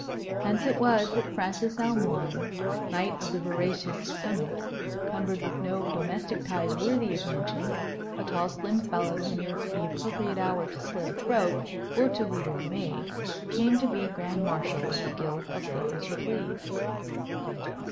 Hence it was that Francis Almoign, Knight of the Voracious Stomach, cumbered with no domestic ties worthy of mention, a tall slim fellow who knew the appropriate hour to slit a throat or to wheedle a maid, came to be Grand Marshal of the Guild of Go as you Please.